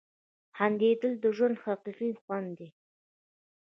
• خندېدل د ژوند حقیقي خوند دی.